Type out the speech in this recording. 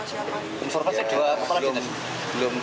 informasi apa lagi tadi